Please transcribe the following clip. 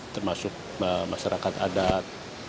termasuk masyarakat adat